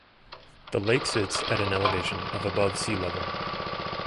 The lake sits at an elevation of above sea level.